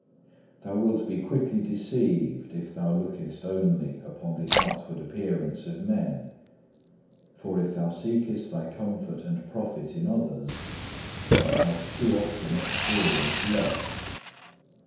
Thou wilt be quickly deceived if thou lookest only upon the outward appearance of men, for if thou seekest thy comfort and profit in others, thou shalt too often experience loss.